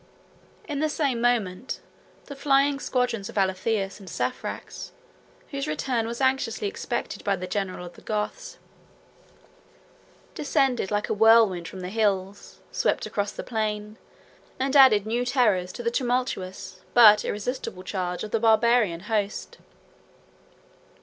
In the same moment, the flying squadrons of Alatheus and Saphrax, whose return was anxiously expected by the general of the Goths, descended like a whirlwind from the hills, swept across the plain, and added new terrors to the tumultuous, but irresistible charge of the Barbarian host.